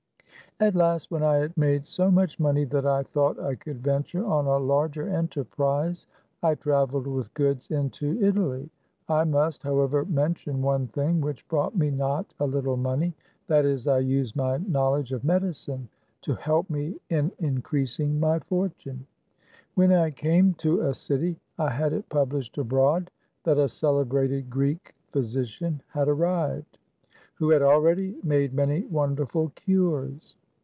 At last, when I had made so much money that I thought I could venture on a larger enterprise, THE CAB AVAN. 133 I traveled with goods into Italy. I must, how ever, mention one thing which brought me not a little money ; that is, I used my knowledge of medicine to help me in increasing my fortune. When I came to a city, I had it published abroad that a celebrated Greek physician had arrived, who had already made many wonderful cures.